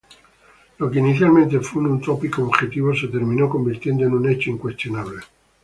Lo que inicialmente fue un utópico objetivo se terminó convirtiendo en un hecho incuestionable.